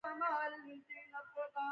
سندره د حالاتو انعکاس دی